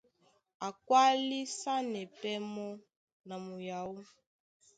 A kwálisanɛ pɛ́ mɔ́ na muyaó.